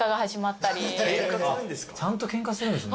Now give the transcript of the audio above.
ちゃんとケンカするんですね。